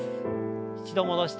一度戻して。